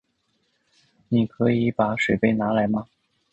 你可以把水杯拿来吗？